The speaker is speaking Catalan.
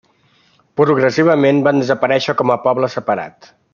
Progressivament van desaparèixer com a poble separat.